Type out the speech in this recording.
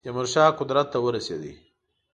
تیمور شاه قدرت ته ورسېدی.